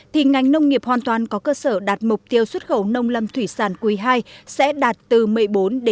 thì ngành nông nghiệp hoàn toàn có cơ sở đạt mục tiêu xuất khẩu nông lầm thủy sản quý ii sẽ đạt từ một mươi bốn một mươi bốn năm tỷ usd